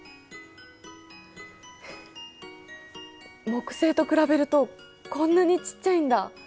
木星と比べるとこんなにちっちゃいんだ！